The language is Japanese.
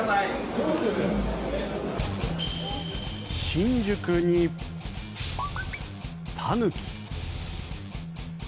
新宿にタヌキ。